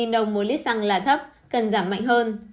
đồng một lít xăng là thấp cần giảm mạnh hơn